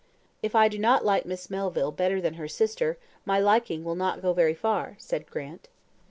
"If I do not like Miss Melville better than her sister, my liking will not go very far," said Grant.